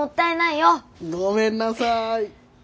ごめんなさい。